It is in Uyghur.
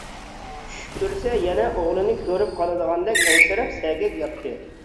چۈش كۆرسە يەنە ئوغلىنى كۆرۈپ قالىدىغاندەك ئەنسىرەپ، سەگەك ياتتى.